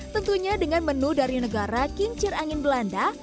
tentunya dengan menu dari negara kincir angin belanda